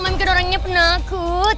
mami kedua orangnya penakut